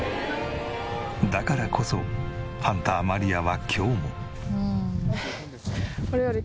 だからこそハンター麻莉亜は今日も。